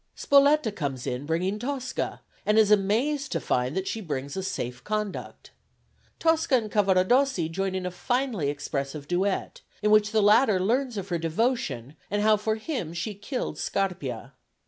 Spoletta comes in bringing Tosca, and is amazed to find that she brings a safe conduct. Tosca and Cavaradossi join in a finely expressive duet, in which the latter learns of her devotion, and how for him she killed Scarpia.